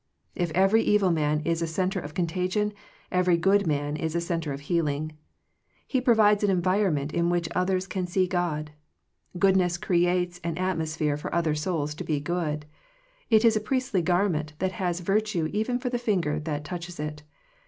If every evil man is a centre of contagion, every good man is a centre of healing. He provides an environment in which others can see God. Goodness creates an at mosphere for other souls to be good. It is a priestly garment that has virtue even for the finger that touches it.